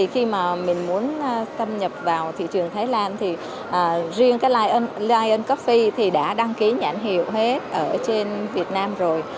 khi mình muốn tâm nhập vào thị trường thái lan riêng lion coffee đã đăng ký nhãn hiệu hết ở trên việt nam rồi